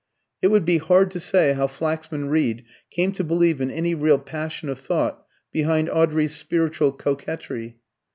It would be hard to say how Flaxman Reed came to believe in any real passion of thought behind Audrey's spiritual coquetry.